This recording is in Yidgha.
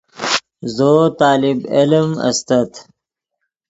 زو طالب علم استت